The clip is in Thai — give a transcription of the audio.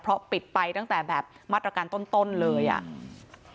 เพราะปิดไปตั้งแต่แบบมาตรการต้นต้นเลยอ่ะอืม